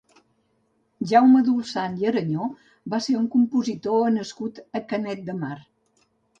Jaume Dulsat i Arañó va ser un compositor nascut a Canet de Mar.